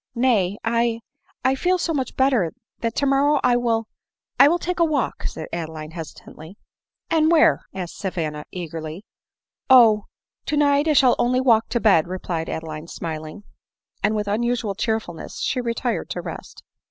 " Nay, I — I feel so much better, that tomorrow I will —I will take a walk," said Adeline hesitatingly. " And where ?" asked Savanna eagerly. " Oh, to night I shall only walk to bed," replied Adeline smiling, and with unusual cheerfulness she retired to rest.